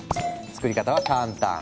作り方は簡単。